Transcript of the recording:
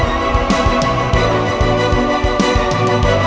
lihatlah berada di atas